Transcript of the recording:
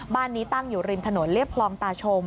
บ้านนี้ตั้งอยู่ริมถนนเรียบคลองตาชม